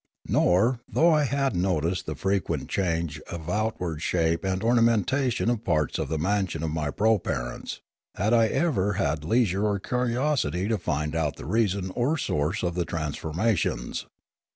Nor, though I had noticed the frequent change of out ward shape and ornamentation of parts of the mansion of my proparents, had I ever had leisure or curiosity to find out the reason or source of the transformations.